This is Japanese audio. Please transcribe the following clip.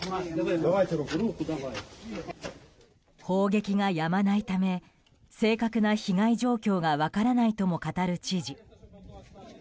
砲撃がやまないため正確な被害状況が分からないとも語る知事。